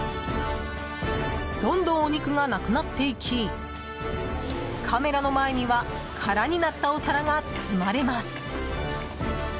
どんどんお肉がなくなっていきカメラの前には空になったお皿が積まれます。